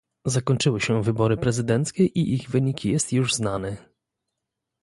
Zakończyły się wybory prezydenckie i ich wynik jest już znany